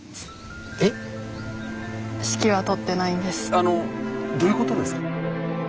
あのどういうことですか？